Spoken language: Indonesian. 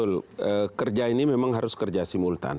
jadi kerja ini memang harus kerja simultan